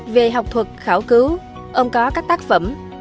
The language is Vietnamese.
về học thuật khảo cứu ông có các tác phẩm